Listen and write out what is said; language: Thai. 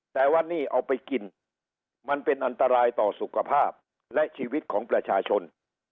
แต่ว่านี่เอาไปกินมันเป็นอันตรายต่อสุขภาพและชีวิตของประชาชน